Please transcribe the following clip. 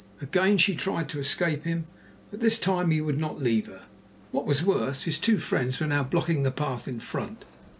Again she tried to escape him, but this time he would not leave her. What was worse, his two friends were now blocking the path in front.